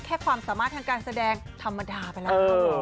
ความสามารถทางการแสดงธรรมดาไปแล้ว